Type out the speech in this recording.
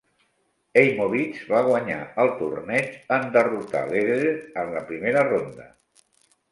Heimowitz va guanyar el torneig en derrotar Lederer en la primera ronda.